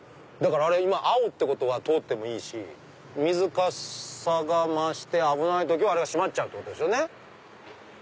今青ってことは通ってもいいし水かさが増して危ない時は閉まっちゃうってことですよね。